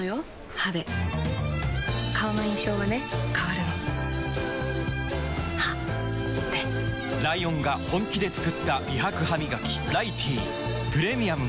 歯で顔の印象はね変わるの歯でライオンが本気で作った美白ハミガキ「ライティー」プレミアムも